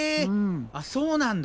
あっそうなんだ。